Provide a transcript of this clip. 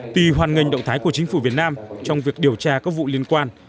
tuy hoan nghênh động thái của chính phủ việt nam trong việc điều tra các vụ liên quan